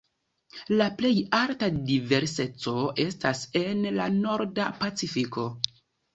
La plej alta diverseco estas en la Norda Pacifiko.